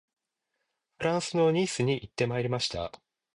フランスのニースに行ってまいりました